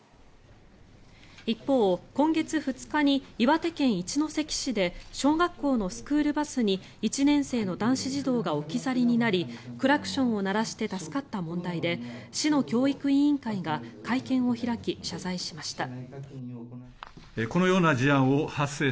一方、今月２日に岩手県一関市で小学校のスクールバスに１年生の男子児童が置き去りになりクラクションを鳴らして助かった問題で市の教育委員会が会見を開き謝罪しました。